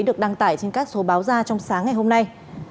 được đăng tải trên các số báo ra trong sáng ngày hôm nay